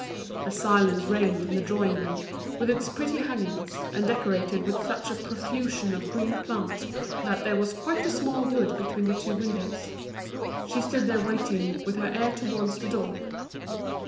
A silence reigned in the drawing room, with its pretty hangings, and decorated with such a profusion of green plants that there was quite a small wood between the two windows. She stood there waiting, with her ear towards the door.